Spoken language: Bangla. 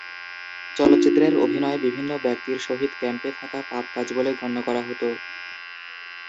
চলচ্চিত্রের অভিনয়ে বিভিন্ন ব্যক্তির সহিত ক্যাম্পে থাকা পাপ কাজ বলে গণ্য করা হত।